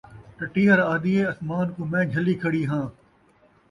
ٹٹیہر آہدی ہے اسمان کوں میں جھلی کھڑی ہاں